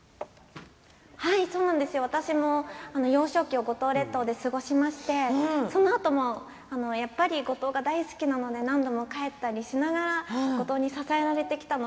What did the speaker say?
幼少期を五島列島で過ごしましてそのあともやっぱり五島が大好きなので何度も帰ったりしながら五島に支えられてきました。